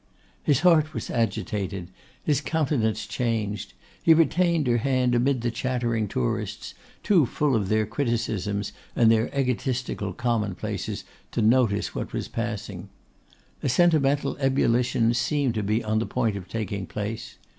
His heart was agitated, his countenance changed; he retained her hand amid the chattering tourists, too full of their criticisms and their egotistical commonplaces to notice what was passing. A sentimental ebullition seemed to be on the point of taking place.